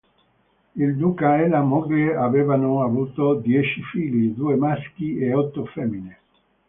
Il duca e la moglie avevano avuto dieci figli, due maschi e otto femmine.